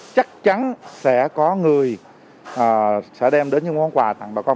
chắc chắn sẽ có người sẽ đem đến những món quà tặng bà con